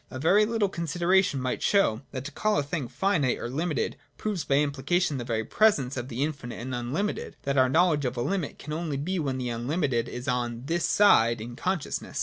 A very little consideration might show, that to call a thing finite or limited proves by implication the very presence of the infinite and unlimited, and that our knowledge of a limit can only be when the unlimited is on this side in consciousness.